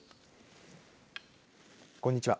こんにちは。